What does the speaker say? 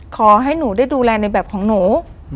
ขอให้หนูได้ดูแลในแบบของหนู